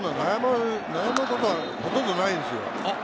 悩むことはほとんどないですよ。